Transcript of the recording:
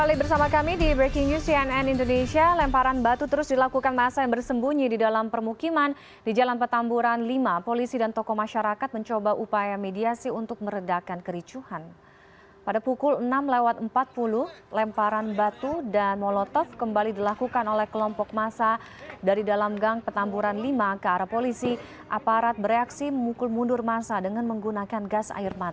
indonesia breaking news